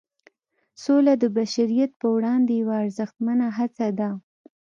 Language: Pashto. سوله د بشریت پر وړاندې یوه ارزښتمنه هڅه ده.